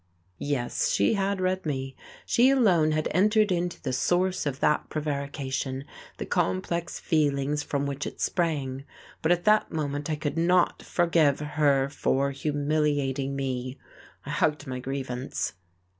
Yes, she had read me, she alone had entered into the source of that prevarication, the complex feelings from which it sprang. But at that moment I could not forgive her for humiliating me. I hugged my grievance.